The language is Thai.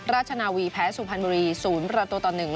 ราชนาวีแพ้สุพรรณบุรี๐ประตูต่อ๑